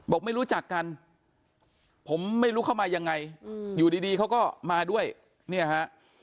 ไม่รู้จักกันผมไม่รู้เข้ามายังไงอยู่ดีเขาก็มาด้วยเนี่ยฮะ